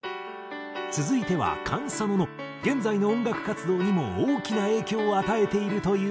続いてはＫａｎＳａｎｏの現在の音楽活動にも大きな影響を与えているという１曲。